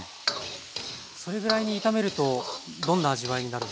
それぐらいに炒めるとどんな味わいになるんですか？